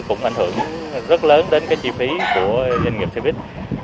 cũng ảnh hưởng rất lớn đến cái chi phí của doanh nghiệp xe buýt